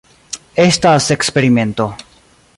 Estas eksperimento.